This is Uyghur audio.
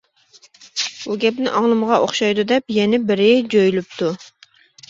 بۇ گەپنى ئاڭلىمىغان ئوخشايدۇ دەپ يەنە بىرى جۆيلۈپتۇ.